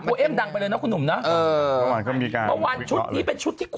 เอมดังไปเลยนะคุณหนุ่มนะเออเมื่อวานก็มีการเมื่อวานชุดนี้เป็นชุดที่คุณ